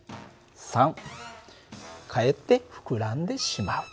３かえって膨らんでしまう。